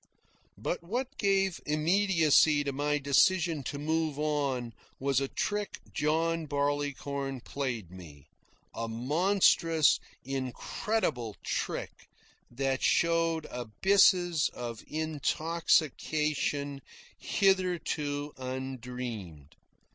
But what gave immediacy to my decision to move on was a trick John Barleycorn played me a monstrous, incredible trick that showed abysses of intoxication hitherto undreamed.